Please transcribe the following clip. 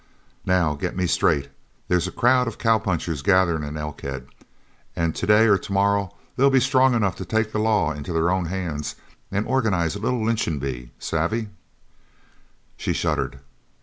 "Now get me straight. They's a crowd of cowpunchers gatherin' in Elkhead, an' today or tomorrow they'll be strong enough to take the law into their own hands and organize a little lynchin' bee, savvy?" She shuddered.